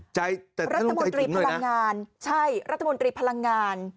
แต่ท่านต้องใจถึงด้วยนะใช่รัฐมนตรีพลังงาน